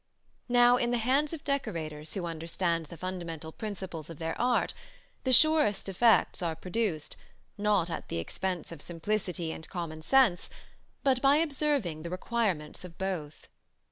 Now, in the hands of decorators who understand the fundamental principles of their art, the surest effects are produced, not at the expense of simplicity and common sense, but by observing the requirements of both.